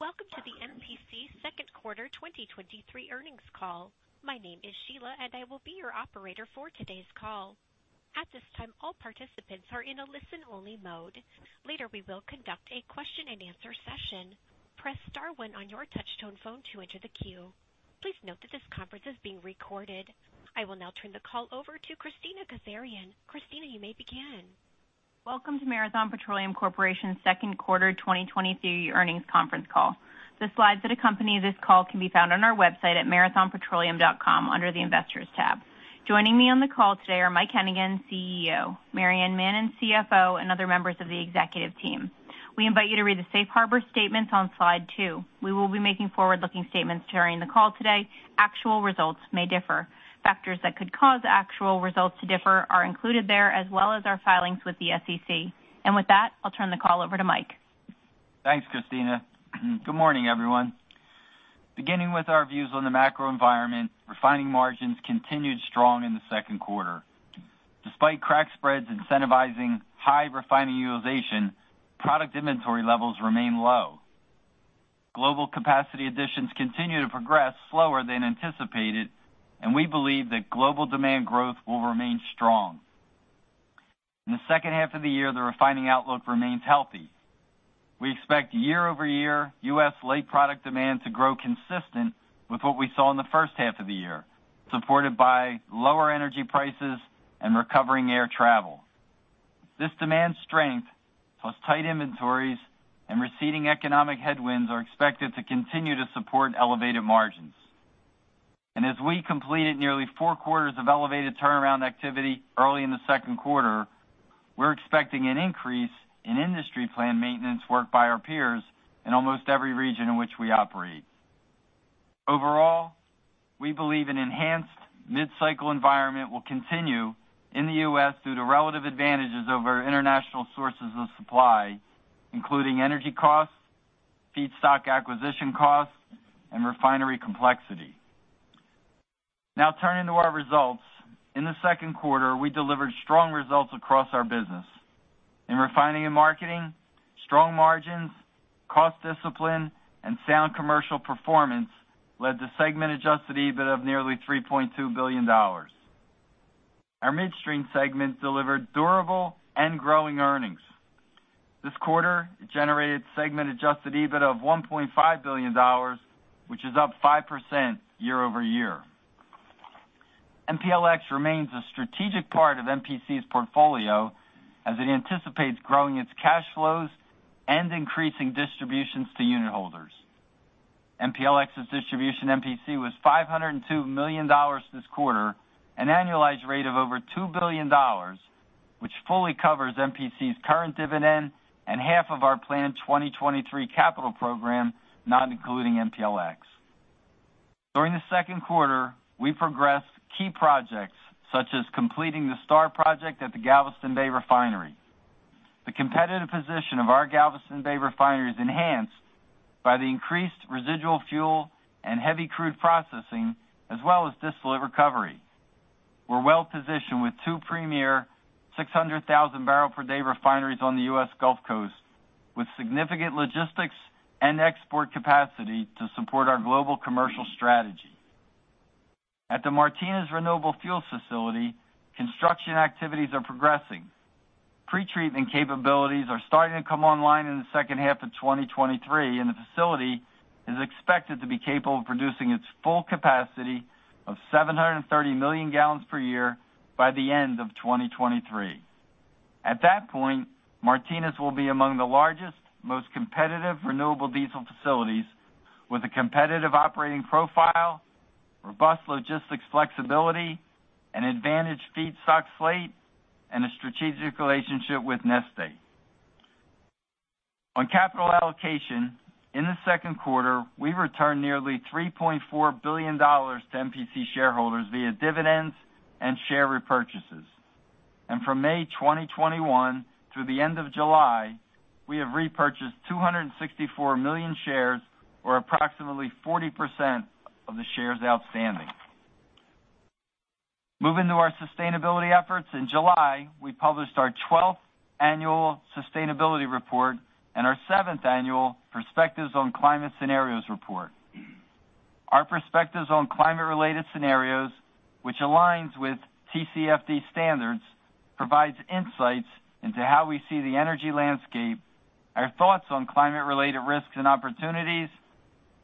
Welcome to the MPC second quarter 2023 earnings call. My name is Sheila, and I will be your operator for today's call. At this time, all participants are in a listen-only mode. Later, we will conduct a question-and-answer session. Press star one on your touchtone phone to enter the queue. Please note that this conference is being recorded. I will now turn the call over to Kristina Kazarian. Kristina, you may begin. Welcome to Marathon Petroleum Corporation's second quarter 2023 earnings conference call. The slides that accompany this call can be found on our website at marathonpetroleum.com under the Investors tab. Joining me on the call today are Mike Hennigan, CEO, Maryann Mannen, CFO, and other members of the executive team. We invite you to read the safe harbor statements on slide two. We will be making forward-looking statements during the call today. Actual results may differ. Factors that could cause actual results to differ are included there, as well as our filings with the SEC. With that, I'll turn the call over to Mike. Thanks, Kristina. Good morning, everyone. Beginning with our views on the macro environment, refining margins continued strong in the second quarter. Despite crack spreads incentivizing high refining utilization, product inventory levels remain low. Global capacity additions continue to progress slower than anticipated. We believe that global demand growth will remain strong. In the second half of the year, the refining outlook remains healthy. We expect year-over-year U.S. light product demand to grow consistent with what we saw in the first half of the year, supported by lower energy prices and recovering air travel. This demand strength, plus tight inventories and receding economic headwinds, are expected to continue to support elevated margins. As we completed nearly four quarters of elevated turnaround activity early in the second quarter, we're expecting an increase in industry planned maintenance work by our peers in almost every region in which we operate. Overall, we believe an enhanced mid-cycle environment will continue in the U.S. due to relative advantages over international sources of supply, including energy costs, feedstock acquisition costs, and refinery complexity. Now turning to our results. In the second quarter, we delivered strong results across our business. In refining and marketing, strong margins, cost discipline, and sound commercial performance led to segment adjusted EBITDA of nearly $3.2 billion. Our midstream segment delivered durable and growing earnings. This quarter, it generated segment-adjusted EBITDA of $1.5 billion, which is up 5% year-over-year. MPLX remains a strategic part of MPC's portfolio as it anticipates growing its cash flows and increasing distributions to unitholders. MPLX's distribution to MPC was $502 million this quarter, an annualized rate of over $2 billion, which fully covers MPC's current dividend and half of our planned 2023 capital program, not including MPLX. During the second quarter, we progressed key projects such as completing the STAR project at the Galveston Bay Refinery. The competitive position of our Galveston Bay Refinery is enhanced by the increased residual fuel and heavy crude processing, as well as distillate recovery. We're well positioned with two premier 600,000 barrel per day refineries on the US Gulf Coast, with significant logistics and export capacity to support our global commercial strategy. At the Martinez Renewable Fuels facility, construction activities are progressing. Pretreatment capabilities are starting to come online in the second half of 2023, and the facility is expected to be capable of producing its full capacity of 730 million gallons per year by the end of 2023. At that point, Martinez will be among the largest, most competitive renewable diesel facilities, with a competitive operating profile, robust logistics flexibility, an advantaged feedstock slate, and a strategic relationship with Neste. On capital allocation, in the second quarter, we returned nearly $3.4 billion to MPC shareholders via dividends and share repurchases. From May 2021 through the end of July, we have repurchased 264 million shares, or approximately 40% of the shares outstanding. Moving to our sustainability efforts, in July, we published our 12th annual sustainability report and our seventh annual Perspectives on Climate Scenarios report. Our Perspectives on Climate-Related Scenarios, which aligns with TCFD standards, provides insights into how we see the energy landscape, our thoughts on climate-related risks and opportunities,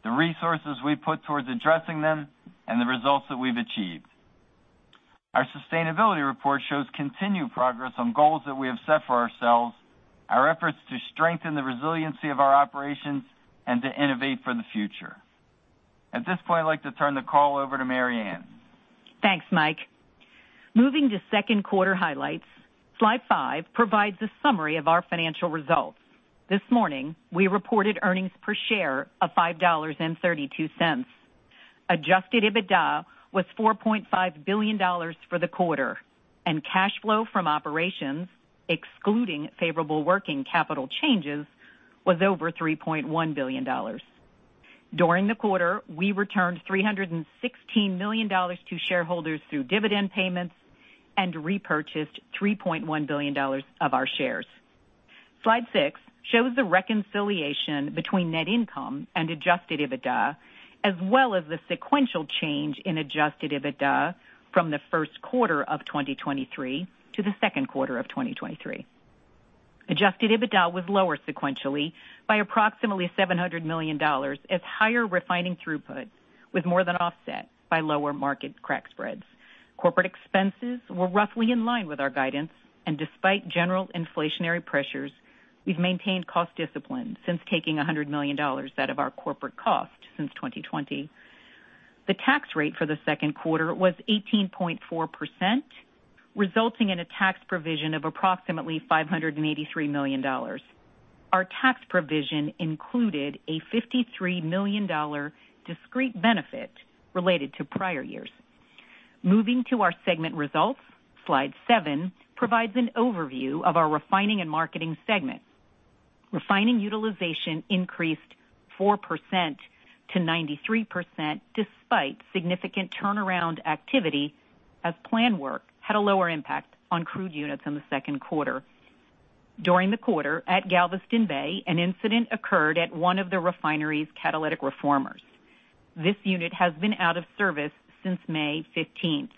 the resources we put towards addressing them, and the results that we've achieved. Our sustainability report shows continued progress on goals that we have set for ourselves, our efforts to strengthen the resiliency of our operations, and to innovate for the future. At this point, I'd like to turn the call over to Maryann. Thanks, Mike. Moving to second quarter highlights, Slide five provides a summary of our financial results. This morning, we reported earnings per share of $5.32. Adjusted EBITDA was $4.5 billion for the quarter, and cash flow from operations, excluding favorable working capital changes, was over $3.1 billion. During the quarter, we returned $316 million to shareholders through dividend payments and repurchased $3.1 billion of our shares. Slide six shows the reconciliation between net income and Adjusted EBITDA, as well as the sequential change in Adjusted EBITDA from the first quarter of 2023 to the second quarter of 2023. Adjusted EBITDA was lower sequentially by approximately $700 million, as higher refining throughputs was more than offset by lower market crack spreads. Corporate expenses were roughly in line with our guidance, and despite general inflationary pressures, we've maintained cost discipline since taking $100 million out of our corporate costs since 2020. The tax rate for the second quarter was 18.4%, resulting in a tax provision of approximately $583 million. Our tax provision included a $53 million discrete benefit related to prior years. Moving to our segment results, slide seven provides an overview of our refining and marketing segment. Refining utilization increased 4% to 93%, despite significant turnaround activity, as planned work had a lower impact on crude units in the second quarter. During the quarter, at Galveston Bay, an incident occurred at one of the refinery's catalytic reformers. This unit has been out of service since May 15th.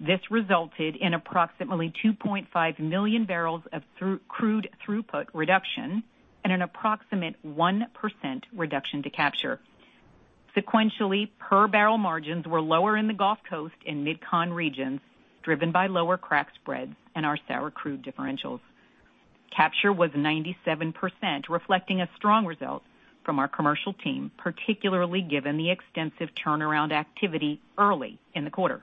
This resulted in approximately 2.5 million barrels of through- crude throughput reduction and an approximate 1% reduction to capture. Sequentially, per barrel margins were lower in the Gulf Coast and MidCon regions, driven by lower crack spreads and our sour crude differentials. Capture was 97%, reflecting a strong result from our commercial team, particularly given the extensive turnaround activity early in the quarter.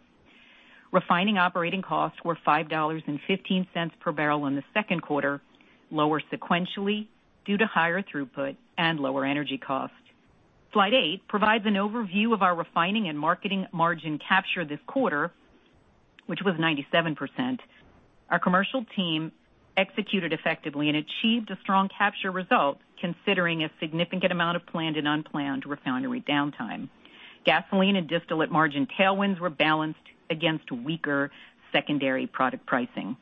Refining operating costs were $5.15 per barrel in the second quarter, lower sequentially due to higher throughput and lower energy costs. Slide eight provides an overview of our refining and marketing margin capture this quarter, which was 97%. Our commercial team executed effectively and achieved a strong capture result, considering a significant amount of planned and unplanned refinery downtime. Gasoline and distillate margin tailwinds were balanced against weaker secondary product pricing.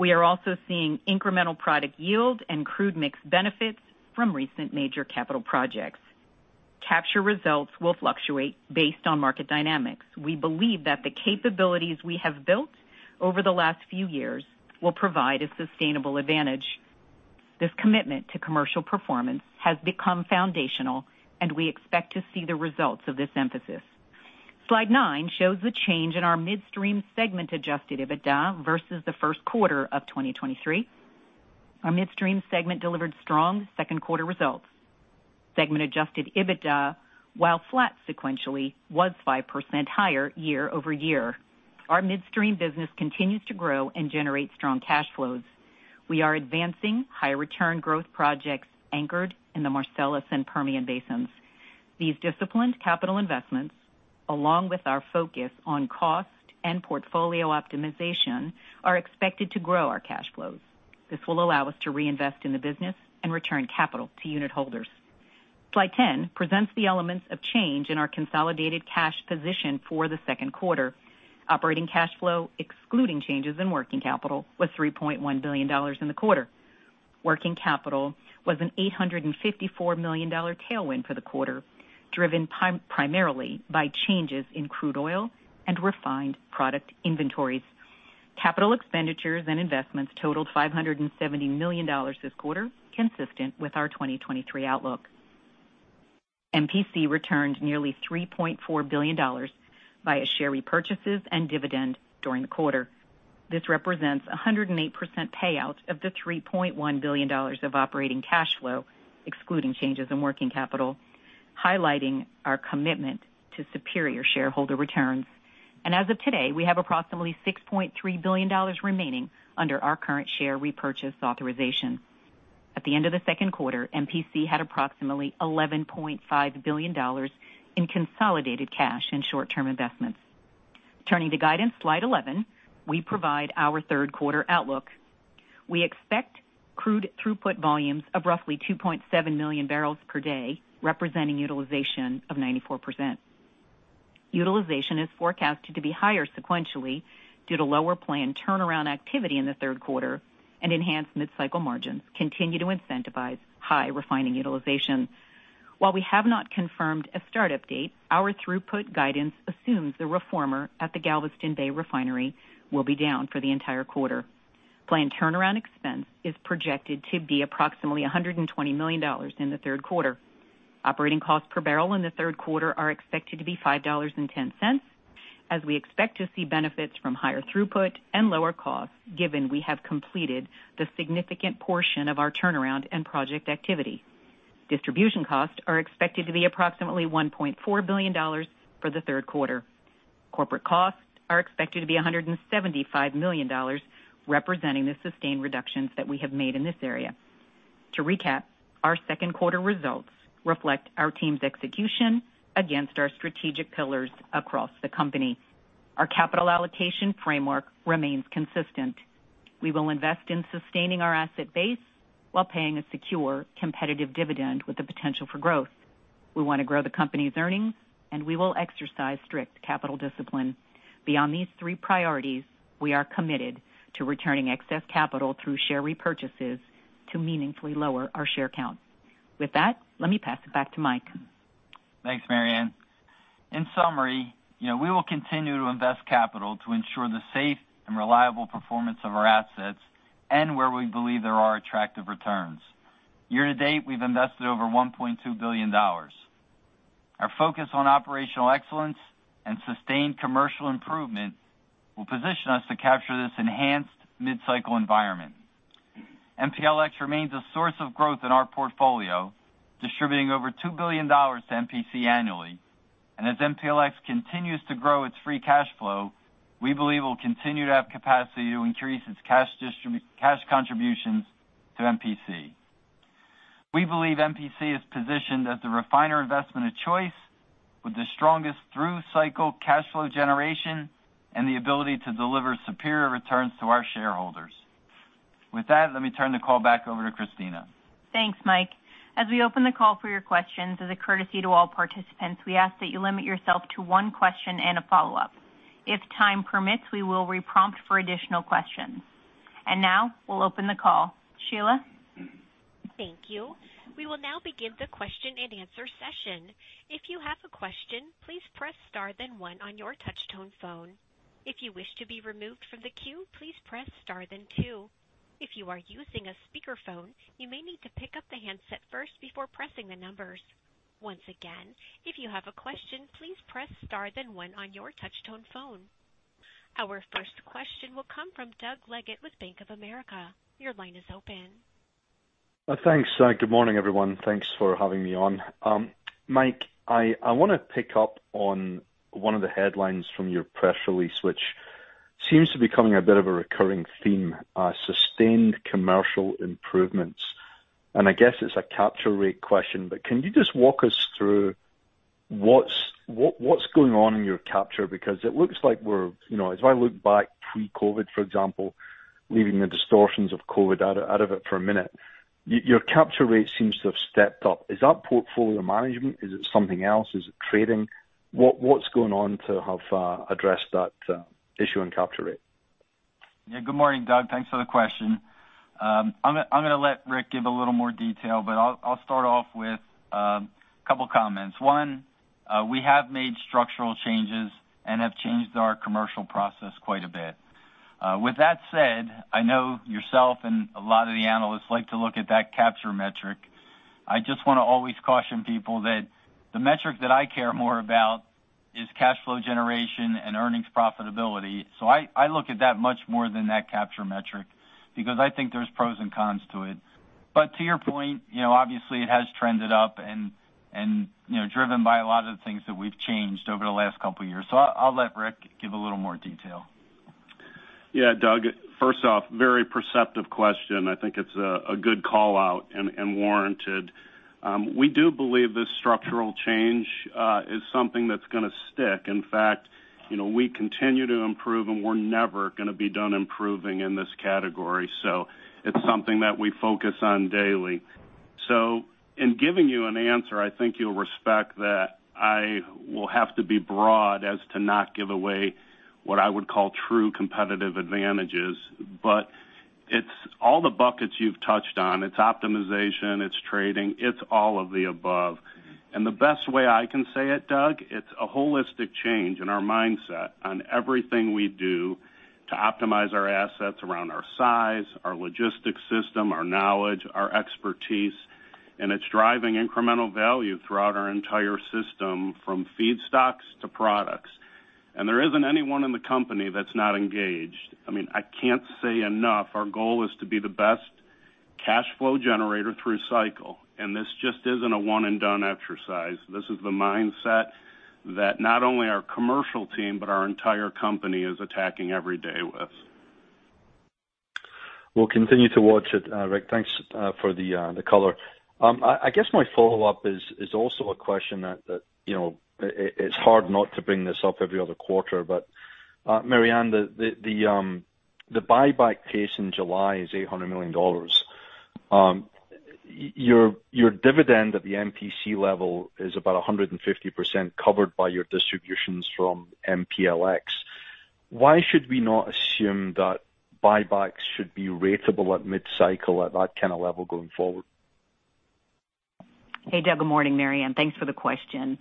We are also seeing incremental product yield and crude mix benefits from recent major capital projects. Capture results will fluctuate based on market dynamics. We believe that the capabilities we have built over the last few years will provide a sustainable advantage. This commitment to commercial performance has become foundational, and we expect to see the results of this emphasis. Slide nine shows the change in our midstream segment adjusted EBITDA versus the first quarter of 2023. Our midstream segment delivered strong second quarter results. Segment adjusted EBITDA, while flat sequentially, was 5% higher year-over-year. Our midstream business continues to grow and generate strong cash flows. We are advancing high-return growth projects anchored in the Marcellus and Permian basins. These disciplined capital investments, along with our focus on cost and portfolio optimization, are expected to grow our cash flows. This will allow us to reinvest in the business and return capital to unitholders. Slide 10 presents the elements of change in our consolidated cash position for the second quarter. Operating cash flow, excluding changes in working capital, was $3.1 billion in the quarter. Working capital was an $854 million tailwind for the quarter, driven primarily by changes in crude oil and refined product inventories. Capital expenditures and investments totaled $570 million this quarter, consistent with our 2023 outlook. MPC returned nearly $3.4 billion via share repurchases and dividend during the quarter. This represents a 108% payout of the $3.1 billion of operating cash flow, excluding changes in working capital, highlighting our commitment to superior shareholder returns. As of today, we have approximately $6.3 billion remaining under our current share repurchase authorization. At the end of the second quarter, MPC had approximately $11.5 billion in consolidated cash and short-term investments. Turning to guidance, slide 11, we provide our third-quarter outlook. We expect crude throughput volumes of roughly 2.7 million barrels per day, representing utilization of 94%. Utilization is forecasted to be higher sequentially due to lower planned turnaround activity in the third quarter, and enhanced mid-cycle margins continue to incentivize high refining utilization. While we have not confirmed a start-up date, our throughput guidance assumes the reformer at the Galveston Bay Refinery will be down for the entire quarter. Planned turnaround expense is projected to be approximately $120 million in the third quarter. Operating costs per barrel in the third quarter are expected to be $5.10, as we expect to see benefits from higher throughput and lower costs, given we have completed the significant portion of our turnaround and project activity. Distribution costs are expected to be approximately $1.4 billion for the third quarter. Corporate costs are expected to be $175 million, representing the sustained reductions that we have made in this area. To recap, our second quarter results reflect our team's execution against our strategic pillars across the company. Our capital allocation framework remains consistent. We will invest in sustaining our asset base while paying a secure, competitive dividend with the potential for growth. We want to grow the company's earnings, and we will exercise strict capital discipline. Beyond these three priorities, we are committed to returning excess capital through share repurchases to meaningfully lower our share count. With that, let me pass it back to Mike. Thanks, Maryann. In summary, you know, we will continue to invest capital to ensure the safe and reliable performance of our assets and where we believe there are attractive returns. Year-to-date, we've invested over $1.2 billion. Our focus on operational excellence and sustained commercial improvement will position us to capture this enhanced mid-cycle environment. MPLX remains a source of growth in our portfolio, distributing over $2 billion to MPC annually. As MPLX continues to grow its free cash flow, we believe it will continue to have capacity to increase its cash contributions to MPC. We believe MPC is positioned as the refiner investment of choice with the strongest through-cycle cash flow generation and the ability to deliver superior returns to our shareholders. With that, let me turn the call back over to Kristina. Thanks, Mike. As we open the call for your questions, as a courtesy to all participants, we ask that you limit yourself to one question and a follow-up. If time permits, we will re-prompt for additional questions. Now we'll open the call. Sheila? Thank you. We will now begin the question-and-answer session. If you have a question, please press star then one on your touch tone phone. If you wish to be removed from the queue, please press star then two. If you are using a speakerphone, you may need to pick up the handset first before pressing the numbers. Once again, if you have a question, please press star then one on your touch tone phone. Our first question will come from Doug Leggate with Bank of America. Your line is open. Thanks. Good morning, everyone. Thanks for having me on. Mike, I want to pick up on one of the headlines from your press release, which seems to be becoming a bit of a recurring theme, sustained commercial improvements. I guess it's a capture rate question, but can you just walk us through what's going on in your capture? Because it looks like we're, you know, as I look back pre-COVID, for example, leaving the distortions of COVID out of it for a minute, your capture rate seems to have stepped up. Is that portfolio management? Is it something else? Is it trading? What, what's going on to have addressed that issue in capture rate? Yeah, good morning, Doug. Thanks for the question. I'm, I'm gonna let Rick give a little more detail, but I'll, I'll start off with a couple comments. One, we have made structural changes and have changed our commercial process quite a bit. With that said, I know yourself and a lot of the analysts like to look at that capture metric. I just want to always caution people that the metric that I care more about is cash flow generation and earnings profitability. I, I look at that much more than that capture metric because I think there's pros and cons to it. To your point, you know, obviously, it has trended up and, and, you know, driven by a lot of the things that we've changed over the last couple of years. I'll, I'll let Rick give a little more detail. Yeah, Doug, first off, very perceptive question. I think it's a good call out and, and warranted. We do believe this structural change is something that's gonna stick. In fact, you know, we continue to improve, and we're never gonna be done improving in this category, so it's something that we focus on daily. In giving you an answer, I think you'll respect that I will have to be broad as to not give away what I would call true competitive advantages. It's all the buckets you've touched on. It's optimization, it's trading, it's all of the above. The best way I can say it, Doug, it's a holistic change in our mindset on everything we do to optimize our assets around our size, our logistics system, our knowledge, our expertise, and it's driving incremental value throughout our entire system, from feedstocks to products. There isn't anyone in the company that's not engaged. I mean, I can't say enough, our goal is to be the best cash flow generator through cycle, and this just isn't a one and done exercise. This is the mindset that not only our commercial team, but our entire company is attacking every day with. We'll continue to watch it, Rick. Thanks for the color. I guess my follow-up is also a question that, you know, it's hard not to bring this up every other quarter. Maryann, the buyback pace in July is $800 million. Your dividend at the MPC level is about 150% covered by your distributions from MPLX. Why should we not assume that buybacks should be ratable at mid-cycle at that kind of level going forward? Hey, Doug. Good morning, Maryann. Thanks for the question.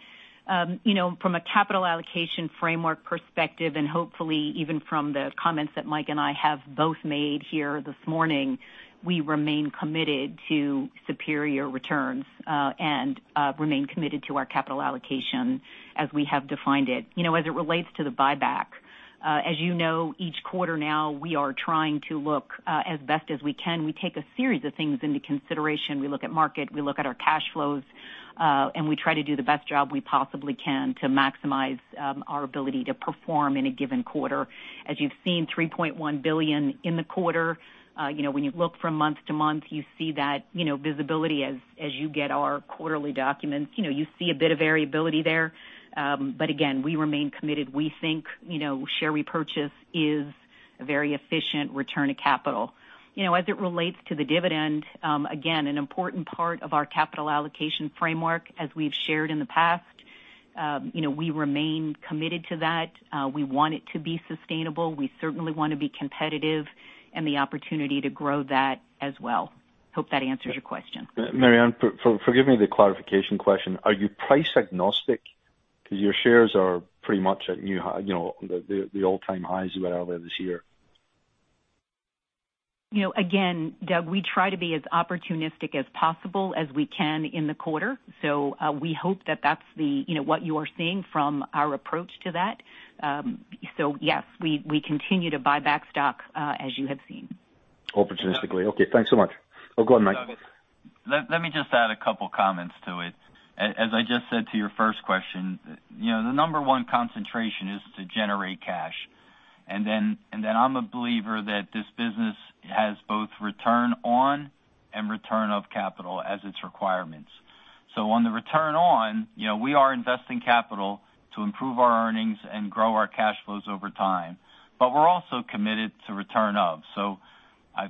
From a capital allocation framework perspective, and hopefully even from the comments that Mike and I have both made here this morning, we remain committed to superior returns, and remain committed to our capital allocation as we have defined it. As it relates to the buyback, as you know, each quarter now, we are trying to look as best as we can. We take a series of things into consideration. We look at market, we look at our cash flows, and we try to do the best job we possibly can to maximize our ability to perform in a given quarter. As you've seen, $3.1 billion in the quarter. you know, when you look from month to month, you see that, you know, visibility as, as you get our quarterly documents. You know, you see a bit of variability there. Again, we remain committed. We think, you know, share repurchase is a very efficient return of capital. You know, as it relates to the dividend, again, an important part of our capital allocation framework, as we've shared in the past, you know, we remain committed to that. We want it to be sustainable. We certainly want to be competitive and the opportunity to grow that as well. Hope that answers your question. Maryann, forgive me the clarification question, are you price agnostic? Because your shares are pretty much at new high, you know, all-time highs you had out there this year. You know, again, Doug, we try to be as opportunistic as possible as we can in the quarter. We hope that that's the, you know, what you are seeing from our approach to that. Yes, we, we continue to buy back stock, as you have seen. Opportunistically. Okay, thanks so much. Oh, go ahead, Mike. Let me just add a couple comments to it. As I just said to your first question, you know, the number one concentration is to generate cash, and then I'm a believer that this business has both return on and return of capital as its requirements. On the return on, you know, we are investing capital to improve our earnings and grow our cash flows over time, but we're also committed to return of.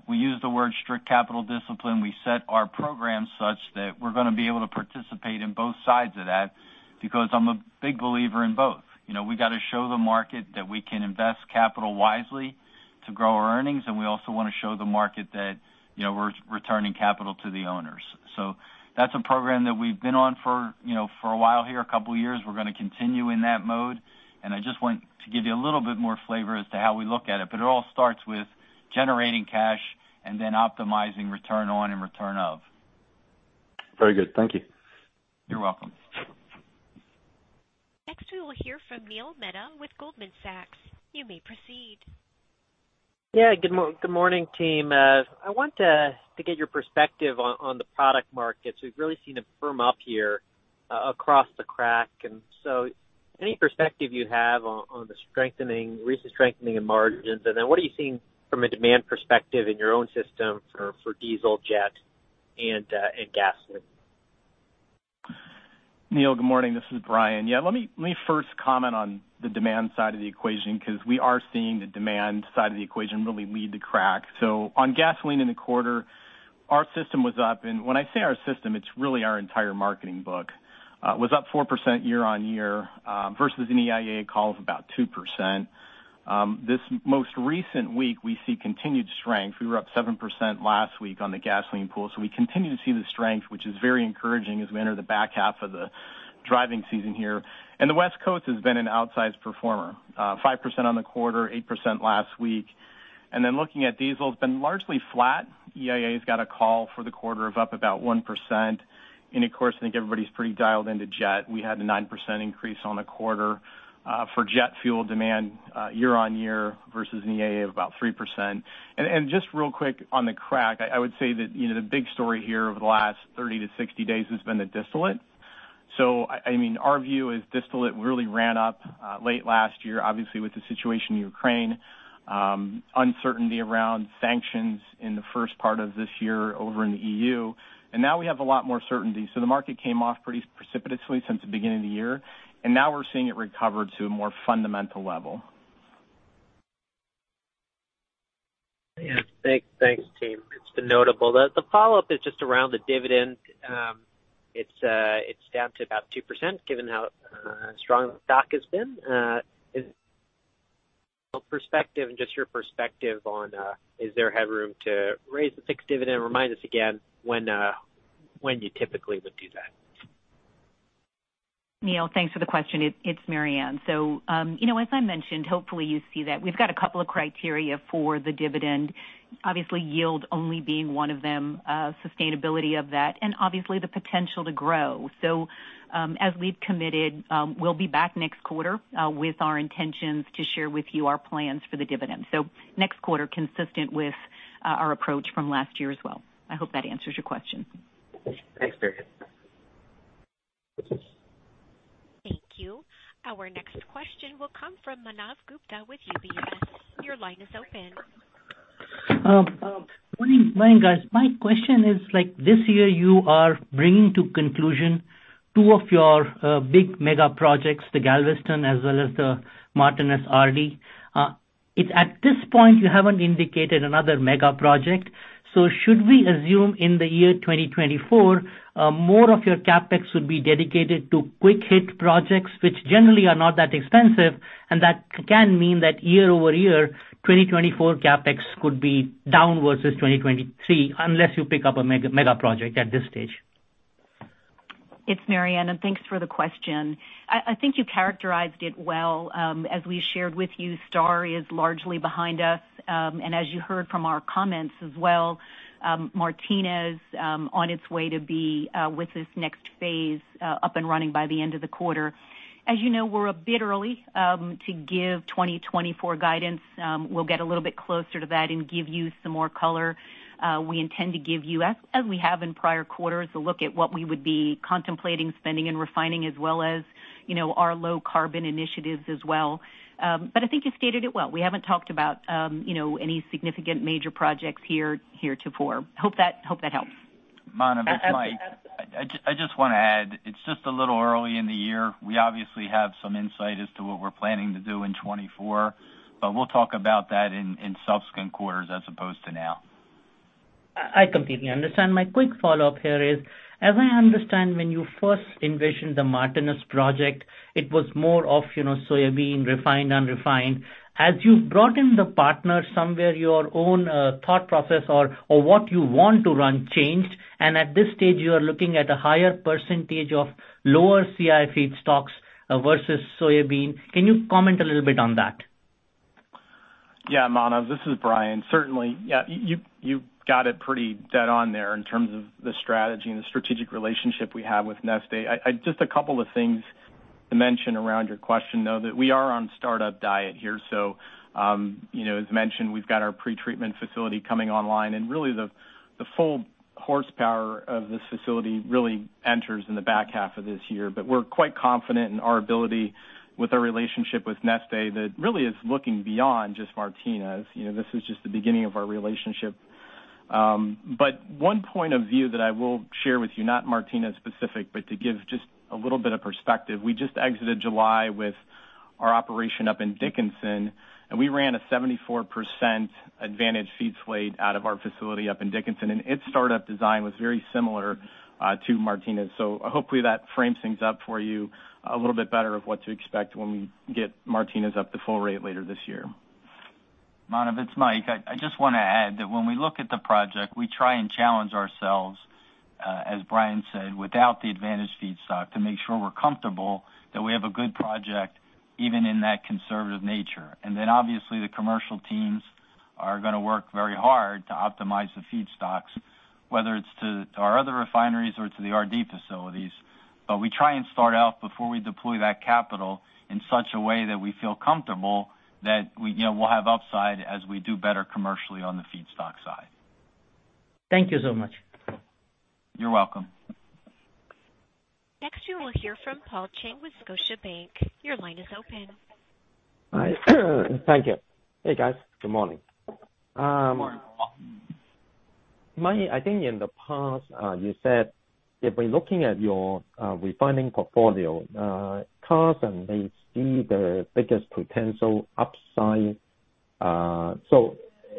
We use the word strict capital discipline. We set our program such that we're gonna be able to participate in both sides of that, because I'm a big believer in both. You know, we've got to show the market that we can invest capital wisely to grow our earnings, and we also want to show the market that, you know, we're returning capital to the owners. That's a program that we've been on for, you know, for a while here, two years. We're gonna continue in that mode, and I just want to give you a little bit more flavor as to how we look at it. It all starts with generating cash and then optimizing return on and return of. Very good. Thank you. You're welcome. Next, we will hear from Neil Mehta with Goldman Sachs. You may proceed. Good morning, team. I want to get your perspective on the product markets. We've really seen a firm up here across the crack, any perspective you have on the strengthening, recent strengthening in margins, and then what are you seeing from a demand perspective in your own system for diesel, jet, and gasoline? Neil, good morning. This is Brian. Yeah, let me first comment on the demand side of the equation, because we are seeing the demand side of the equation really lead the crack. On gasoline in the quarter, our system was up, and when I say our system, it's really our entire marketing book, was up 4% year-over-year versus an EIA call of about 2%. This most recent week, we see continued strength. We were up 7% last week on the gasoline pool, so we continue to see the strength, which is very encouraging as we enter the back half of the driving season here. The West Coast has been an outsized performer, 5% on the quarter, 8% last week. Looking at diesel, it's been largely flat. EIA's got a call for the quarter of up about 1%. Of course, I think everybody's pretty dialed into jet. We had a 9% increase on the quarter for jet fuel demand year-over-year versus an EIA of about 3%. Just real quick on the crack, I, I would say that, you know, the big story here over the last 30-60 days has been the distillate. I mean, our view is distillate really ran up late last year, obviously, with the situation in Ukraine, uncertainty around sanctions in the first part of this year over in the EU, and now we have a lot more certainty. The market came off pretty precipitously since the beginning of the year, and now we're seeing it recover to a more fundamental level. Yeah. Thanks. Thanks, team. It's been notable. The follow-up is just around the dividend. It's down to about 2%, given how strong the stock has been. Is perspective and just your perspective on, is there headroom to raise the fixed dividend? Remind us again when, when you typically would do that? Neil, thanks for the question. It's, it's Maryann. You know, as I mentioned, hopefully, you see that we've got a couple of criteria for the dividend. Obviously, yield only being one of them, sustainability of that, and obviously, the potential to grow. As we've committed, we'll be back next quarter with our intentions to share with you our plans for the dividend. Next quarter, consistent with our approach from last year as well. I hope that answers your question. Thanks, Maryann. Thank you. Our next question will come from Manav Gupta with UBS. Your line is open. Morning, morning, guys. My question is, like, this year, you are bringing to conclusion two of your big mega projects, the Galveston, as well as the Martinez RD. It's at this point, you haven't indicated another mega project. Should we assume in the year 2024, more of your CapEx would be dedicated to quick-hit projects, which generally are not that expensive, and that can mean that year-over-year 2024 CapEx could be downwards as 2023, unless you pick up a mega, mega project at this stage? It's Maryann, and thanks for the question. I, I think you characterized it well. As we shared with you, STAR is largely behind us, and as you heard from our comments as well, Martinez, on its way to be with this next phase up and running by the end of the quarter. As you know, we're a bit early to give 2024 guidance. We'll get a little bit closer to that and give you some more color. We intend to give you, as, as we have in prior quarters, a look at what we would be contemplating, spending and refining, as well as, you know, our low carbon initiatives as well. But I think you stated it well. We haven't talked about, you know, any significant major projects here, here before. Hope that, hope that helps. Manav, it's Mike. I just wanna add, it's just a little early in the year. We obviously have some insight as to what we're planning to do in 2024, but we'll talk about that in, in subsequent quarters as opposed to now. I, I completely understand. My quick follow-up here is, as I understand, when you first envisioned the Martinez project, it was more of, you know, soybean, refined, unrefined. As you've brought in the partner, somewhere your own, thought process or, or what you want to run changed, and at this stage, you are looking at a higher percentage of lower CI feedstocks, versus soybean. Can you comment a little bit on that? Yeah, Manav, this is Brian. Certainly, yeah, you, you got it pretty dead on there in terms of the strategy and the strategic relationship we have with Neste. I. Just a couple of things to mention around your question, though, that we are on startup diet here. You know, as mentioned, we've got our pretreatment facility coming online, and really, the, the full horsepower of this facility really enters in the back half of this year. We're quite confident in our ability with our relationship with Neste, that really is looking beyond just Martinez. You know, this is just the beginning of our relationship. One point of view that I will share with you, not Martinez specific, but to give just a little bit of perspective, we just exited July with our operation up in Dickinson, and we ran a 74% advantage feed slate out of our facility up in Dickinson, and its startup design was very similar to Martinez. Hopefully, that frames things up for you a little bit better of what to expect when we get Martinez up to full rate later this year. Manav, it's Mike. I, I just wanna add that when we look at the project, we try and challenge ourselves, as Brian said, without the advantage feedstock, to make sure we're comfortable that we have a good project, even in that conservative nature. Obviously, the commercial teams are gonna work very hard to optimize the feedstocks, whether it's to our other refineries or to the RD facilities. We try and start out before we deploy that capital in such a way that we feel comfortable that we, you know, we'll have upside as we do better commercially on the feedstock side. Thank you so much. You're welcome. Next, you will hear from Paul Cheng with Scotiabank. Your line is open. Hi. Thank you. Hey, guys. Good morning. Good morning, Paul. Mike, I think in the past, you said that by looking at your refining portfolio, Carson may see the biggest potential upside.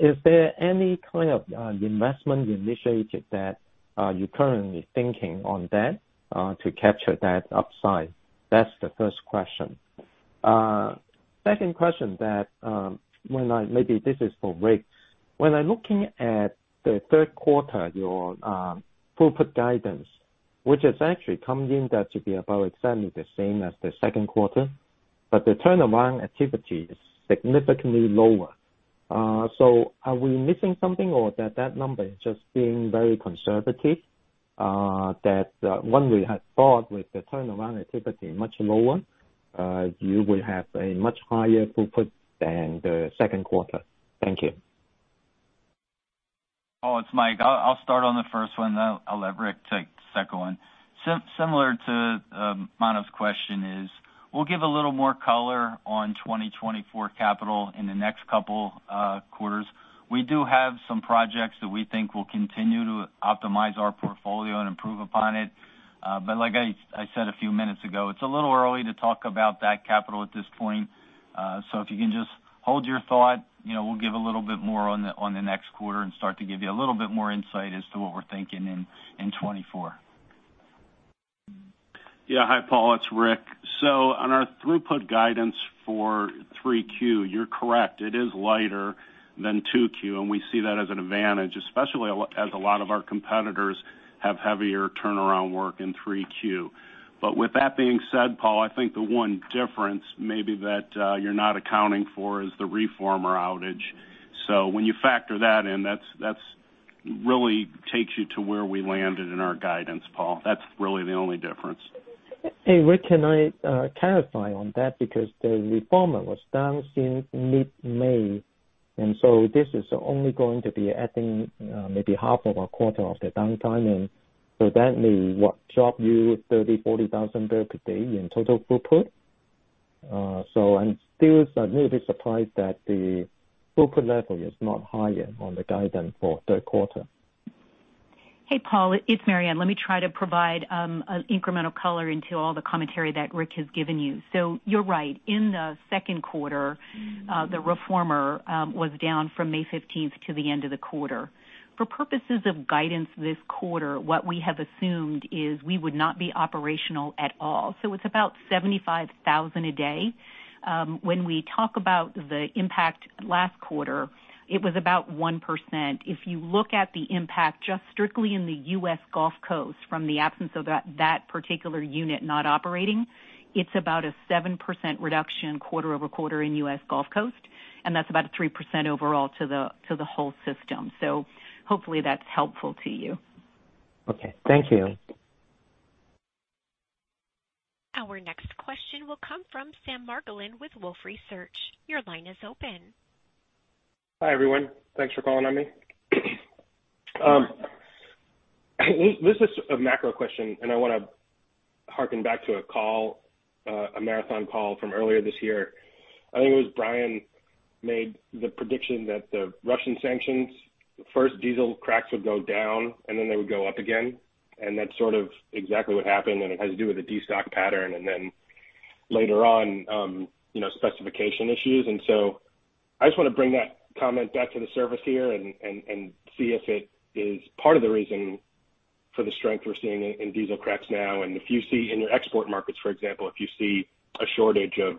Is there any kind of investment initiative that, are you currently thinking on that, to capture that upside? That's the first question. Second question that, maybe this is for Rick. When I'm looking at the third quarter, your throughput guidance, which has actually come in, that should be about exactly the same as the second quarter, but the turnaround activity is significantly lower. Are we missing something, or that, that number is just being very conservative? When we had thought with the turnaround activity much lower, you will have a much higher throughput than the second quarter. Thank you. Oh, it's Mike. I'll, I'll start on the first one, then I'll let Rick take the second one. Similar to Manav's question is, we'll give a little more color on 2024 capital in the next couple quarters. We do have some projects that we think will continue to optimize our portfolio and improve upon it. Like I, I said a few minutes ago, it's a little early to talk about that capital at this point. If you can just hold your thought, you know, we'll give a little bit more on the, on the next quarter and start to give you a little bit more insight as to what we're thinking in, in 2024. Yeah. Hi, Paul, it's Rick. On our throughput guidance for 3Q, you're correct, it is lighter than 2Q, and we see that as an advantage, especially as a lot of our competitors have heavier turnaround work in 3Q. With that being said, Paul, I think the one difference maybe that you're not accounting for is the reformer outage. When you factor that in, that's, that's really takes you to where we landed in our guidance, Paul. That's really the only difference. Hey, Rick, can I clarify on that? Because the reformer was down since mid-May, this is only going to be adding, maybe half of a quarter of the downtime. That may, what, drop you 30,000-40,000 barrel per day in total throughput? I'm still a little bit surprised that the throughput level is not higher on the guidance for third quarter. Hey, Paul, it's Maryann. Let me try to provide an incremental color into all the commentary that Rick has given you. You're right. In the second quarter, the reformer was down from May 15th to the end of the quarter. For purposes of guidance this quarter, what we have assumed is we would not be operational at all. It's about 75,000 a day. When we talk about the impact last quarter, it was about 1%. If you look at the impact just strictly in the US Gulf Coast, from the absence of that, that particular unit not operating, it's about a 7% reduction quarter-over-quarter in US Gulf Coast, and that's about a 3% overall to the, to the whole system. Hopefully, that's helpful to you. Okay, thank you. Our next question will come from Sam Margolin with Wolfe Research. Your line is open. Hi, everyone. Thanks for calling on me. This is a macro question, and I wanna hearken back to a call, a Marathon call from earlier this year. I think it was Brian made the prediction that the Russian sanctions, first diesel cracks would go down, and then they would go up again. That's sort of exactly what happened, and it has to do with the destock pattern, and then later on, you know, specification issues. I just want to bring that comment back to the surface here and, and, and see if it is part of the reason for the strength we're seeing in diesel cracks now, and if you see in your export markets, for example, if you see a shortage of,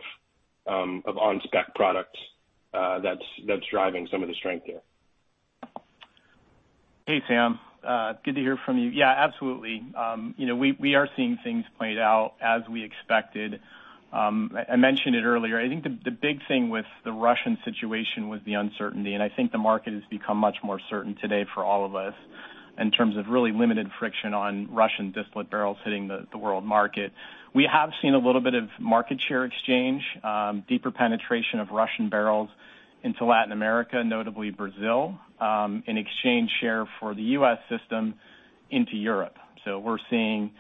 of on-spec products, that's, that's driving some of the strength here. Hey, Sam, good to hear from you. Yeah, absolutely. You know, we, we are seeing things played out as we expected. I, I mentioned it earlier, I think the, the big thing with the Russian situation was the uncertainty, and I think the market has become much more certain today for all of us in terms of really limited friction on Russian distillate barrels hitting the, the world market. We have seen a little bit of market share exchange, deeper penetration of Russian barrels into Latin America, notably Brazil, in exchange share for the U.S. system into Europe. We're seeing,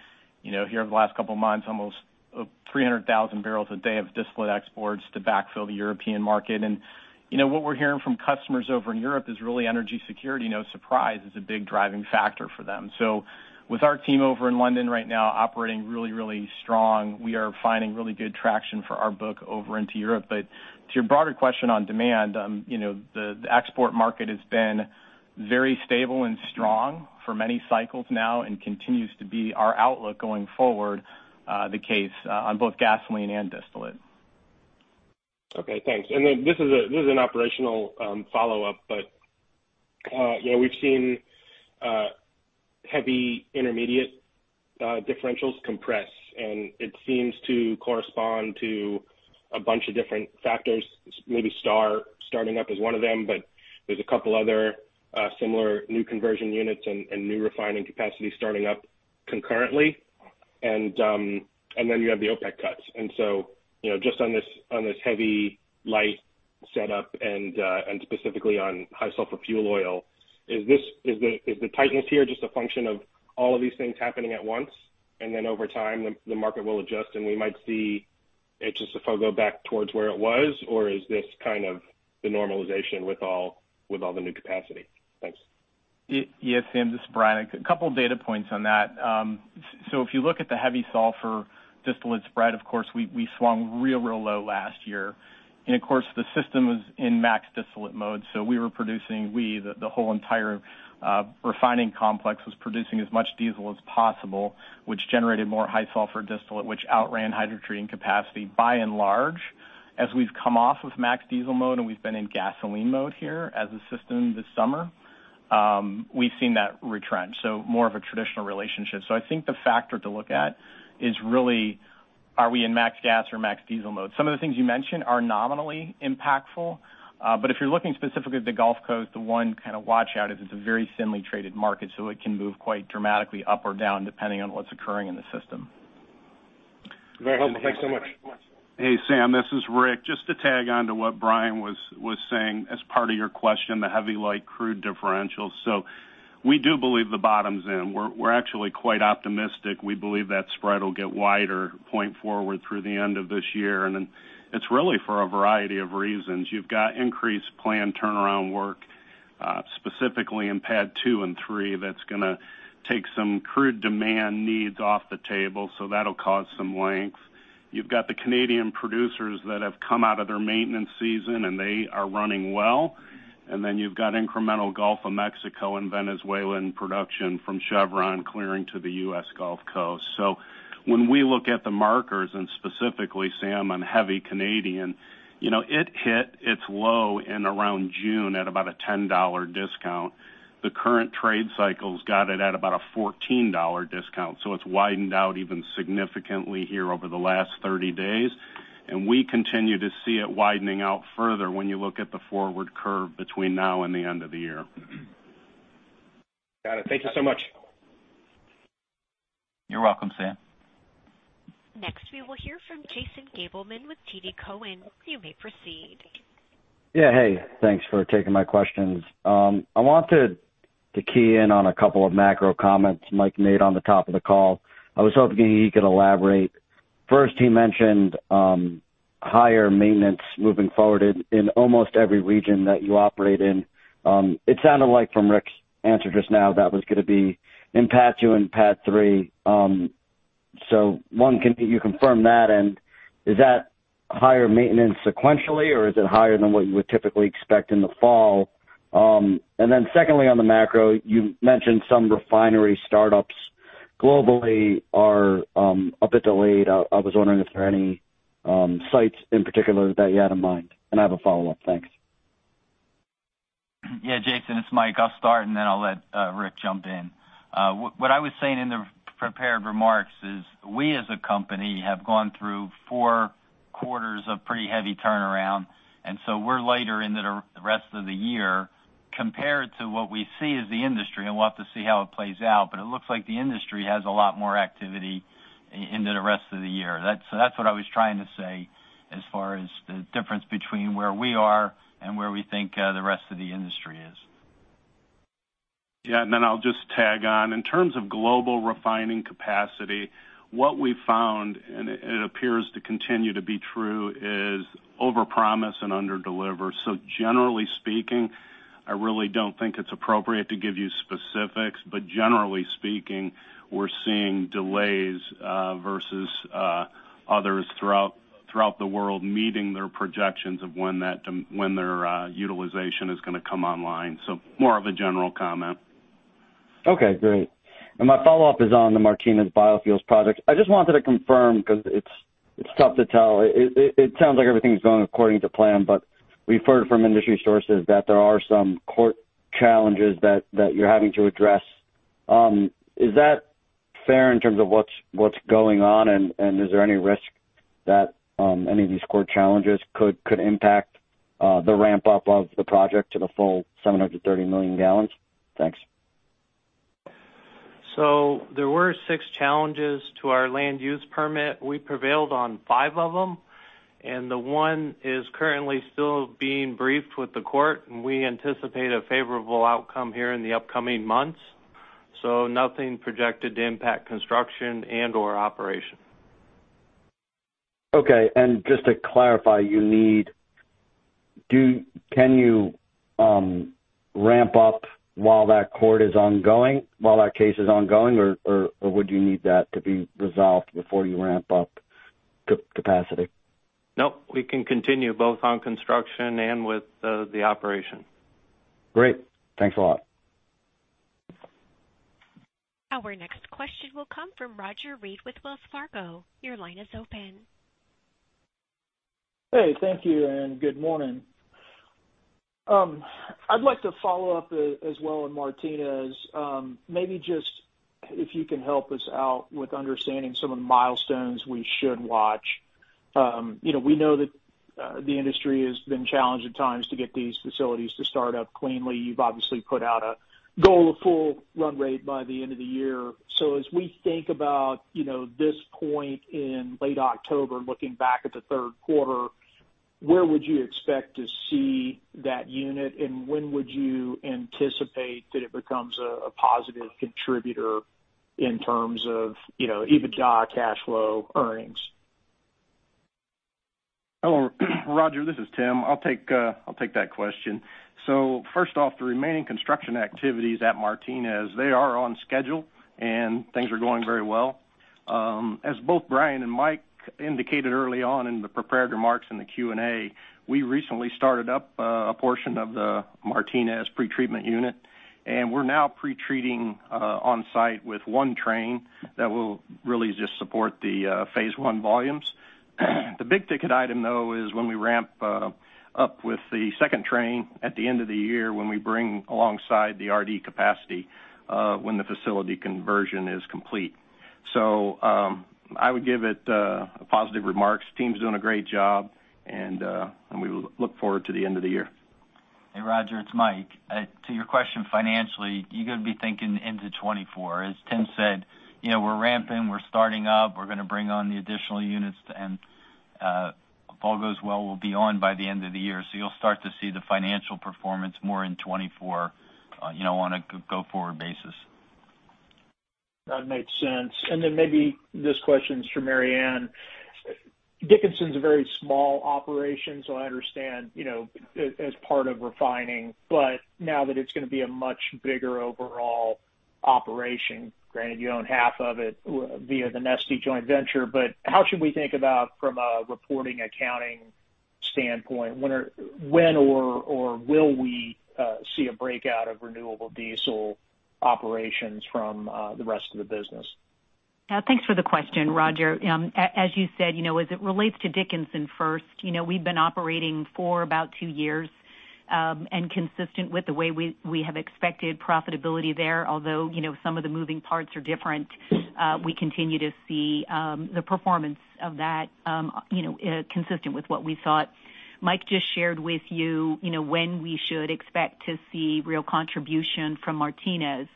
you know, here over the last couple of months, almost 300,000 barrels a day of distillate exports to backfill the European market. You know, what we're hearing from customers over in Europe is really energy security. No surprise, it's a big driving factor for them. With our team over in London right now operating really, really strong, we are finding really good traction for our book over into Europe. To your broader question on demand, you know, the, the export market has been very stable and strong for many cycles now and continues to be our outlook going forward, the case, on both gasoline and distillate. Okay, thanks. This is an operational follow-up, but yeah, we've seen heavy intermediate differentials compress, and it seems to correspond to a bunch of different factors. Maybe STAR Program starting up as one of them, but there's a couple other similar new conversion units and, and new refining capacity starting up concurrently. You have the OPEC cuts. You know, just on this, on this heavy light setup and specifically on high sulfur fuel oil, is this, is the, is the tightness here just a function of all of these things happening at once, and then over time, the, the market will adjust, and we might see HSFO go back towards where it was? Is this kind of the normalization with all, with all the new capacity? Thanks. Yes, Sam, this is Brian. A couple data points on that. So if you look at the high-sulfur distillate spread, of course, we, we swung real, real low last year. Of course, the system was in max distillate mode, so we were producing, we, the, the whole entire refining complex, was producing as much diesel as possible, which generated more high-sulfur distillate, which outran hydrotreating capacity by and large. As we've come off of max diesel mode, and we've been in gasoline mode here as a system this summer, we've seen that retrench, so more of a traditional relationship. I think the factor to look at is really, are we in max gas or max diesel mode? Some of the things you mentioned are nominally impactful, but if you're looking specifically at the Gulf Coast, the one kind of watch-out is it's a very thinly traded market, so it can move quite dramatically up or down, depending on what's occurring in the system. Very helpful. Thanks so much. Hey, Sam, this is Rick. Just to tag on to what Brian was, was saying, as part of your question, the heavy light crude differential. We do believe the bottom's in. We're, we're actually quite optimistic. We believe that spread will get wider point forward through the end of this year, and then it's really for a variety of reasons. You've got increased planned turnaround work, specifically in PADD 2 and PADD3, that's gonna take some crude demand needs off the table, so that'll cause some length. You've got the Canadian producers that have come out of their maintenance season, and they are running well. You've got incremental Gulf of Mexico and Venezuelan production from Chevron clearing to the US Gulf Coast. When we look at the markers, and specifically, Sam, on heavy Canadian, you know, it hit its low in around June at about a $10 discount. The current trade cycle's got it at about a $14 discount. It's widened out even significantly here over the last 30 days. We continue to see it widening out further when you look at the forward curve between now and the end of the year. Got it. Thank you so much. You're welcome, Sam. Next, we will hear from Jason Gabelman with TD Cowen. You may proceed. Yeah. Hey, thanks for taking my questions. I wanted to key in on a couple of macro comments Mike made on the top of the call. I was hoping he could elaborate. First, he mentioned higher maintenance moving forward in, in almost every region that you operate in. It sounded like from Rick's answer just now, that was gonna be in PADD 2 and PADD 3. One, can you confirm that, and is that higher maintenance sequentially, or is it higher than what you would typically expect in the fall? Secondly, on the macro, you mentioned some refinery startups globally are a bit delayed. I, I was wondering if there are any sites in particular that you had in mind, and I have a follow-up. Thanks. Yeah, Jason, it's Mike. I'll start, and then I'll let Rick jump in. What I was saying in the prepared remarks is, we as a company, have gone through four quarters of pretty heavy turnaround, and so we're later in the rest of the year compared to what we see as the industry, and we'll have to see how it plays out. It looks like the industry has a lot more activity into the rest of the year. That's what I was trying to say as far as the difference between where we are and where we think the rest of the industry is. Yeah, then I'll just tag on. In terms of global refining capacity, what we found, and it, it appears to continue to be true, is overpromise and underdeliver. Generally speaking, I really don't think it's appropriate to give you specifics, but generally speaking, we're seeing delays versus others throughout the world meeting their projections of when that, when their utilization is gonna come online. More of a general comment. Okay, great. My follow-up is on the Martinez Biofuels project. I just wanted to confirm, because it's, it's tough to tell. It, it, it sounds like everything is going according to plan, but we've heard from industry sources that there are some court challenges that, that you're having to address. Is that fair in terms of what's, what's going on, and, and is there any risk that any of these court challenges could, could impact the ramp-up of the project to the full 730 million gallons? Thanks. There were six challenges to our land use permit. We prevailed on five of them, and the one is currently still being briefed with the court, and we anticipate a favorable outcome here in the upcoming months. Nothing projected to impact construction and/or operation. Okay. Just to clarify, can you ramp up while that court is ongoing, while that case is ongoing, or would you need that to be resolved before you ramp up capacity? Nope, we can continue both on construction and with the operation. Great. Thanks a lot. Our next question will come from Roger Read with Wells Fargo. Your line is open. Hey, thank you, and good morning. I'd like to follow up as well on Martinez. Maybe just if you can help us out with understanding some of the milestones we should watch. You know, we know that the industry has been challenged at times to get these facilities to start up cleanly. You've obviously put out a goal of full run rate by the end of the year. As we think about, you know, this point in late October, looking back at the third quarter, where would you expect to see that unit? When would you anticipate that it becomes a, a positive contributor in terms of, you know, EBITDA, cash flow, earnings? Hello, Roger, this is Tim. I'll take, I'll take that question. First off, the remaining construction activities at Martinez, they are on schedule, and things are going very well. As both Brian and Mike indicated early on in the prepared remarks in the Q&A, we recently started up a portion of the Martinez pretreatment unit, and we're now pretreating on site with one train that will really just support the phase one volumes. The big-ticket item, though, is when we ramp up with the second train at the end of the year, when we bring alongside the RD capacity, when the facility conversion is complete. I would give it a positive remarks. Team's doing a great job, and we look forward to the end of the year. Hey, Roger, it's Mike. To your question financially, you're gonna be thinking into 2024. As Tim said, you know, we're ramping, we're starting up, we're gonna bring on the additional units, and if all goes well, we'll be on by the end of the year. You'll start to see the financial performance more in 2024, you know, on a go-forward basis. That makes sense. Then maybe this question is for Maryann. Dickinson's a very small operation, so I understand, you know, as, as part of refining, but now that it's gonna be a much bigger overall operation, granted, you own half of it via the Neste joint venture, but how should we think about from a reporting, accounting standpoint, when or will we see a breakout of renewable diesel operations from the rest of the business? Thanks for the question, Roger. As you said, you know, as it relates to Dickinson first, you know, we've been operating for about two years, and consistent with the way we have expected profitability there, although, you know, some of the moving parts are different, we continue to see the performance of that, you know, consistent with what we thought. Mike just shared with you, you know, when we should expect to see real contribution from Martinez.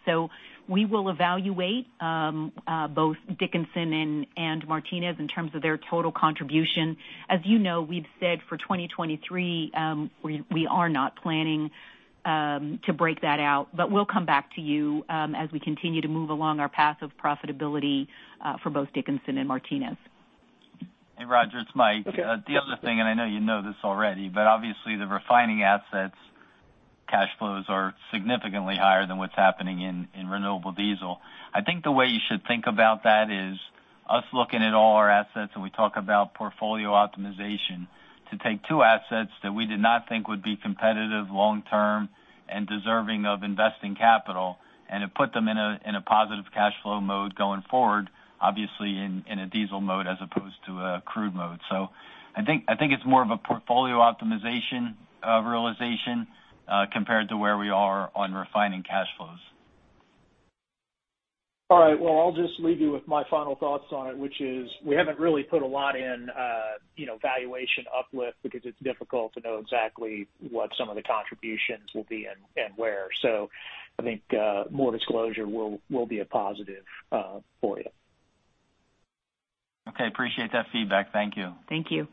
We will evaluate both Dickinson and Martinez in terms of their total contribution. As you know, we've said for 2023, we are not planning to break that out, but we'll come back to you as we continue to move along our path of profitability for both Dickinson and Martinez. Hey, Roger, it's Mike. Okay. The other thing, and I know you know this already, but obviously the refining assets' cash flows are significantly higher than what's happening in, in renewable diesel. I think the way you should think about that is us looking at all our assets, and we talk about portfolio optimization, to take two assets that we did not think would be competitive long term and deserving of investing capital, and to put them in a, in a positive cash flow mode going forward, obviously in, in a diesel mode as opposed to a crude mode. I think, I think it's more of a portfolio optimization, realization, compared to where we are on refining cash flows. All right. Well, I'll just leave you with my final thoughts on it, which is we haven't really put a lot in, you know, valuation uplift because it's difficult to know exactly what some of the contributions will be and, and where. I think more disclosure will, will be a positive for you. Okay, appreciate that feedback. Thank you. Thank you.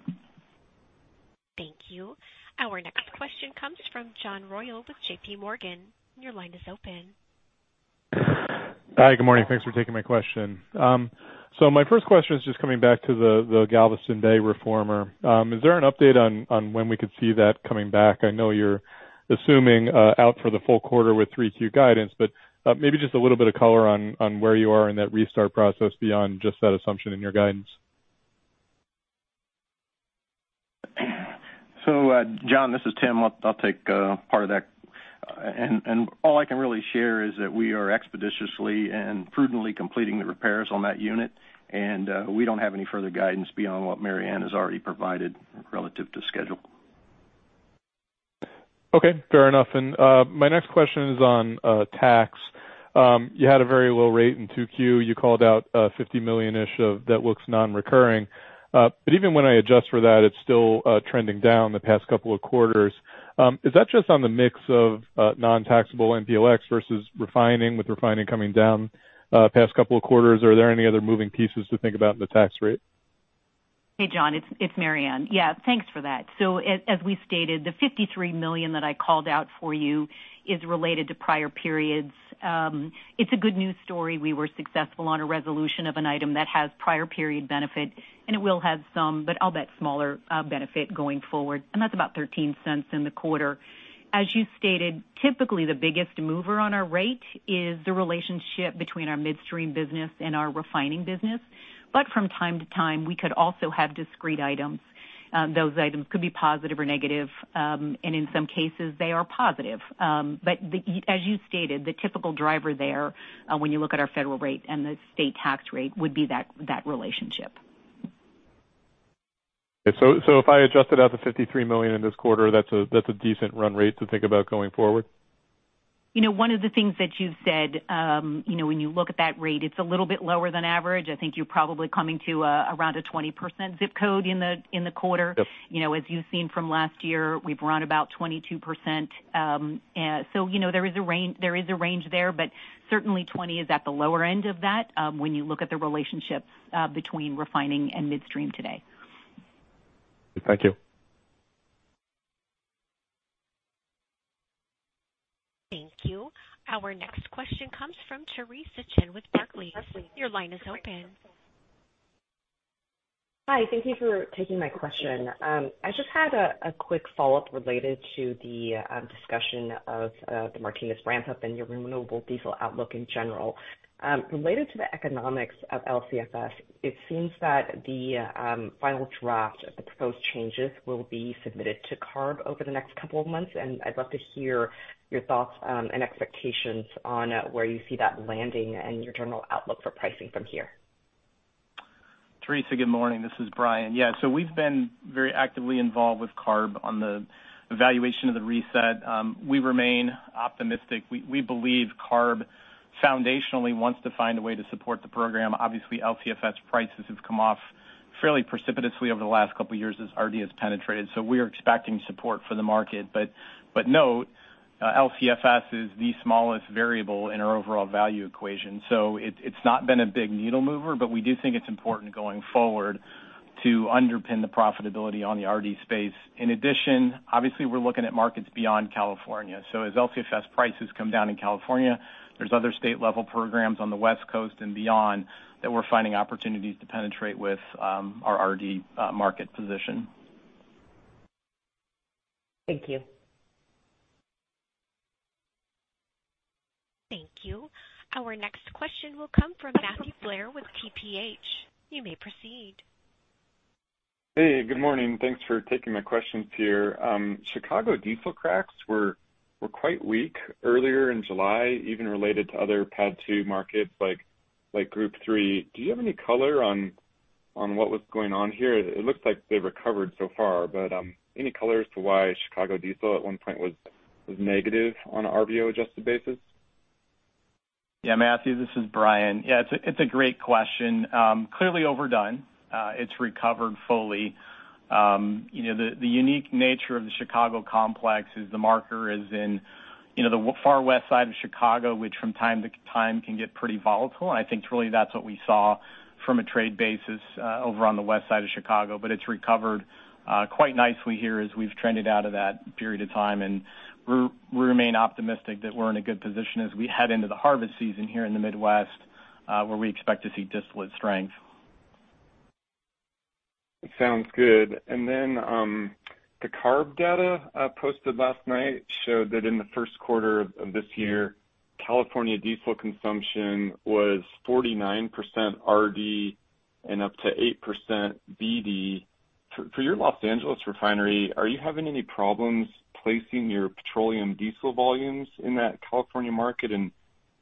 Thank you. Our next question comes from John Royall with J.P. Morgan. Your line is open. Hi, good morning. Thanks for taking my question. My first question is just coming back to the Galveston Bay reformer. Is there an update on when we could see that coming back? I know you're assuming out for the full quarter with 3Q guidance, but maybe just a little bit of color on where you are in that restart process beyond just that assumption in your guidance. John, this is Tim. I'll, I'll take part of that. All I can really share is that we are expeditiously and prudently completing the repairs on that unit, and we don't have any further guidance beyond what Maryann has already provided relative to schedule. Okay, fair enough. My next question is on tax. You had a very low rate in 2Q. You called out $50 million-ish of that looks non-recurring. But even when I adjust for that, it's still trending down the past couple of quarters. Is that just on the mix of non-taxable MPLX versus refining, with refining coming down past couple of quarters? Are there any other moving pieces to think about in the tax rate? Hey, John, it's Maryann. Yeah, thanks for that. As we stated, the $53 million that I called out for you is related to prior periods. It's a good news story. We were successful on a resolution of an item that has prior period benefit, and it will have some, but I'll bet smaller, benefit going forward, and that's about $0.13 in the quarter. As you stated, typically, the biggest mover on our rate is the relationship between our midstream business and our refining business. From time to time, we could also have discrete items. Those items could be positive or negative, and in some cases, they are positive. As you stated, the typical driver there, when you look at our federal rate and the state tax rate, would be that, that relationship. If I adjusted out the $53 million in this quarter, that's a, that's a decent run rate to think about going forward? You know, one of the things that you've said, you know, when you look at that rate, it's a little bit lower than average. I think you're probably coming to, around a 20% ZIP code in the, in the quarter. Yep. You know, as you've seen from last year, we've run about 22%. You know, there is a range, there is a range there, but certainly 20 is at the lower end of that, when you look at the relationship, between refining and midstream today. Thank you. Thank you. Our next question comes from Theresa Chen with Barclays. Your line is open. Hi, thank you for taking my question. I just had a quick follow-up related to the discussion of the Martinez ramp-up and your renewable diesel outlook in general. Related to the economics of LCFS, it seems that the final draft of the proposed changes will be submitted to CARB over the next couple of months, and I'd love to hear your thoughts and expectations on where you see that landing and your general outlook for pricing from here. Theresa, good morning. This is Brian. We've been very actively involved with CARB on the evaluation of the reset. We remain optimistic. We, we believe CARB foundationally wants to find a way to support the program. Obviously, LCFS prices have come off fairly precipitously over the last couple of years as RD has penetrated, we're expecting support for the market. But note, LCFS is the smallest variable in our overall value equation, it's, it's not been a big needle mover, but we do think it's important going forward to underpin the profitability on the RD space. In addition, obviously, we're looking at markets beyond California. As LCFS prices come down in California, there's other state-level programs on the West Coast and beyond that we're finding opportunities to penetrate with, our RD market position. Thank you. Thank you. Our next question will come from Matthew Blair with TPH. You may proceed. Hey, good morning. Thanks for taking my questions here. Chicago diesel cracks were, were quite weak earlier in July, even related to other PADD 2 markets like, like Group 3. Do you have any color on, on what was going on here? It looks like they've recovered so far, any color as to why Chicago diesel at one point was, was negative on an RVO-adjusted basis? Yeah, Matthew, this is Brian. Yeah, it's a, it's a great question. Clearly overdone. It's recovered fully. You know, the, the unique nature of the Chicago complex is the marker is in, you know, the far west side of Chicago, which from time to time can get pretty volatile, and I think really that's what we saw from a trade basis, over on the west side of Chicago. It's recovered quite nicely here as we've trended out of that period of time, and we're, we remain optimistic that we're in a good position as we head into the harvest season here in the Midwest, where we expect to see distillate strength. Sounds good. The CARB data posted last night showed that in the first quarter of this year, California diesel consumption was 49% RD and up to 8% BD. For, for your Los Angeles refinery, are you having any problems placing your petroleum diesel volumes in that California market?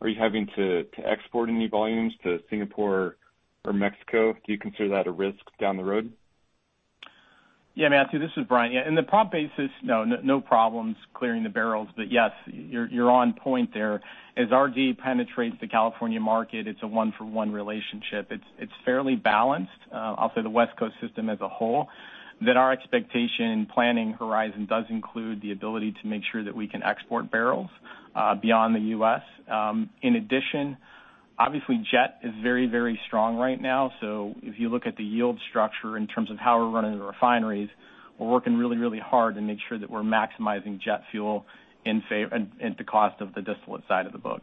Are you having to, to export any volumes to Singapore or Mexico? Do you consider that a risk down the road? Matthew, this is Brian. Yeah, in the prompt basis, no, no, no problems clearing the barrels. Yes, you're, you're on point there. As RD penetrates the California market, it's a one-for-one relationship. It's, it's fairly balanced, also the West Coast system as a whole, that our expectation planning horizon does include the ability to make sure that we can export barrels beyond the U.S. In addition-... obviously, jet is very, very strong right now. If you look at the yield structure in terms of how we're running the refineries, we're working really, really hard to make sure that we're maximizing jet fuel at the cost of the distillate side of the boat.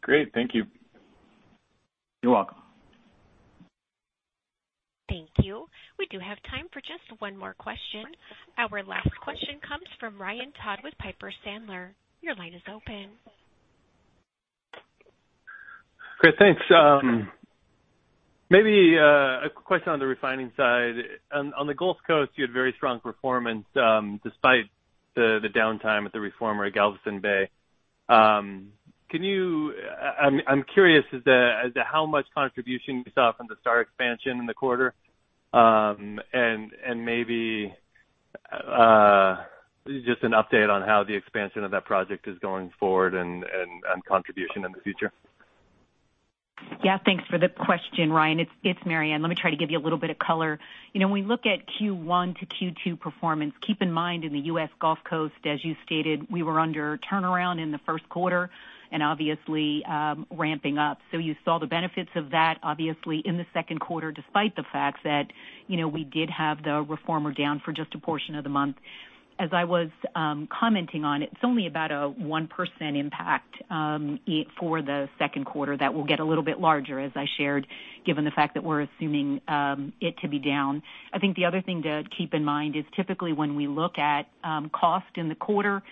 Great, thank you. You're welcome. Thank you. We do have time for just one more question. Our last question comes from Ryan Todd with Piper Sandler. Your line is open. Great, thanks. Maybe a question on the refining side. On the Gulf Coast, you had very strong performance, despite the downtime at the reformer at Galveston Bay. I'm curious as to how much contribution you saw from the STAR expansion in the quarter, and maybe, just an update on how the expansion of that project is going forward and contribution in the future. Yeah, thanks for the question, Ryan. It's, it's Maryann. Let me try to give you a little bit of color. You know, when we look at Q1 to Q2 performance, keep in mind, in the US Gulf Coast, as you stated, we were under turnaround in the first quarter and obviously, ramping up. You saw the benefits of that, obviously, in the second quarter, despite the fact that, you know, we did have the reformer down for just a portion of the month. As I was commenting on it, it's only about a 1% impact for the second quarter. That will get a little bit larger, as I shared, given the fact that we're assuming it to be down. I think the other thing to keep in mind is typically when we look at, cost in the quarter,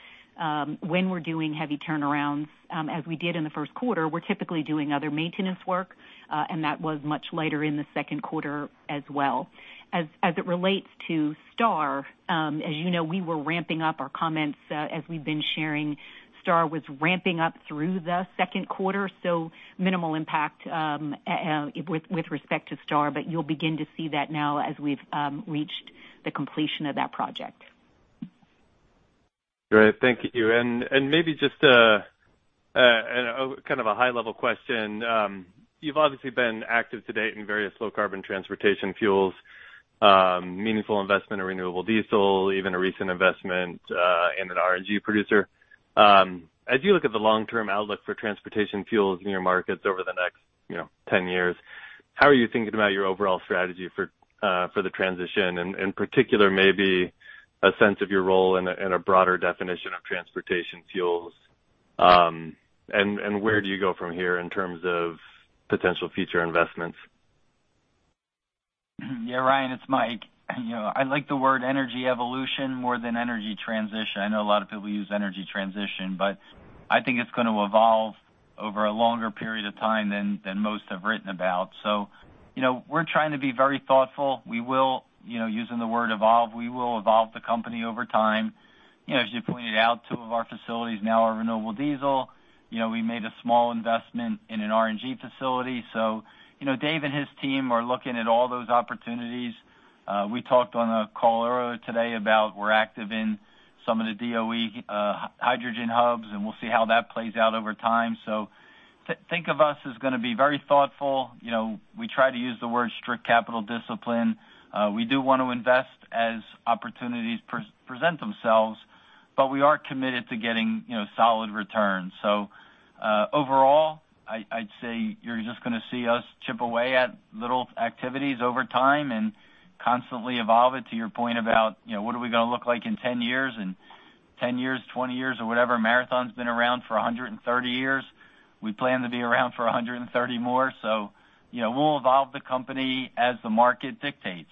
when we're doing heavy turnarounds, as we did in the first quarter, we're typically doing other maintenance work, and that was much later in the second quarter as well. As it relates to STAR, as you know, we were ramping up our comments, as we've been sharing. STAR was ramping up through the second quarter, so minimal impact, with respect to STAR, but you'll begin to see that now as we've, reached the completion of that project. Great, thank you. Maybe just a kind of a high-level question. You've obviously been active to date in various low-carbon transportation fuels, meaningful investment in renewable diesel, even a recent investment in an RNG producer. As you look at the long-term outlook for transportation fuels in your markets over the next, you know, 10 years, how are you thinking about your overall strategy for the transition? In particular, maybe a sense of your role in a broader definition of transportation fuels, and where do you go from here in terms of potential future investments? Yeah, Ryan, it's Mike. You know, I like the word energy evolution more than energy transition. I know a lot of people use energy transition, but I think it's gonna evolve over a longer period of time than, than most have written about. You know, we're trying to be very thoughtful. We will, you know, using the word evolve, we will evolve the company over time. You know, as you pointed out, two of our facilities now are renewable diesel. You know, we made a small investment in an RNG facility. You know, Dave and his team are looking at all those opportunities. We talked on a call earlier today about we're active in some of the DOE hydrogen hubs, and we'll see how that plays out over time. Think of us as gonna be very thoughtful. You know, we try to use the word strict capital discipline. We do want to invest as opportunities present themselves, but we are committed to getting, you know, solid returns. Overall, I, I'd say you're just gonna see us chip away at little activities over time and constantly evolve it. To your point about, you know, what are we gonna look like in 10 years, and 10 years, 20 years or whatever? Marathon's been around for 130 years. We plan to be around for 130 more. You know, we'll evolve the company as the market dictates.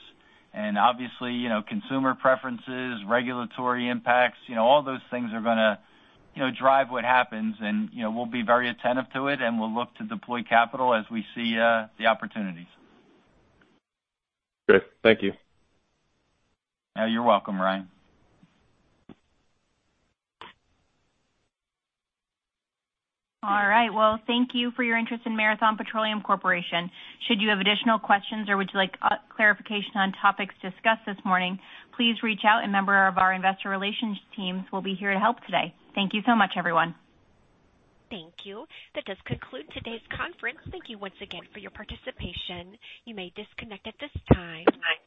Obviously, you know, consumer preferences, regulatory impacts, you know, all those things are gonna, you know, drive what happens, and, you know, we'll be very attentive to it, and we'll look to deploy capital as we see the opportunities. Great. Thank you. You're welcome, Ryan. All right. Well, thank you for your interest in Marathon Petroleum Corporation. Should you have additional questions or would you like clarification on topics discussed this morning, please reach out, a member of our investor relations teams will be here to help today. Thank you so much, everyone. Thank you. That does conclude today's conference. Thank you once again for your participation. You may disconnect at this time. Bye.